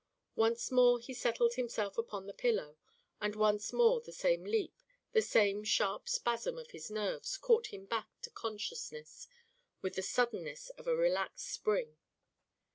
Once more he settled himself upon the pillow, and once more the same leap, the same sharp spasm of his nerves caught him back to consciousness with the suddenness of a relaxed spring.